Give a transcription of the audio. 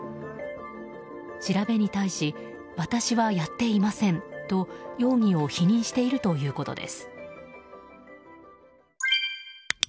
調べに対し私はやっていませんと容疑を否認しているということです。